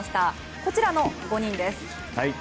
こちらの５人です。